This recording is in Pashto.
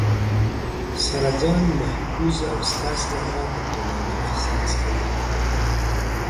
سره ځان محفوظ او ستاسې لخوا د درناوي احساس کوي